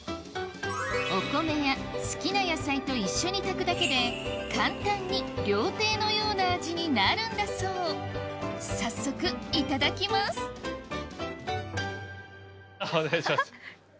お米や好きな野菜と一緒に炊くだけで簡単に料亭のような味になるんだそう早速いただきますお願いします。